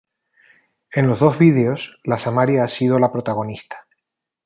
En los dos vídeos, la samaria ha sido la protagonista.